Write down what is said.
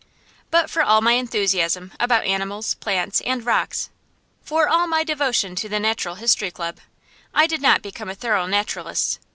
But for all my enthusiasm about animals, plants, and rocks, for all my devotion to the Natural History Club, I did not become a thorough naturalist.